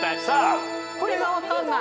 これが分かんない。